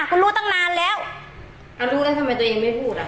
ก็รู้ตั้งนานแล้วเรารู้แล้วทำไมตัวเองไม่พูดอ่ะ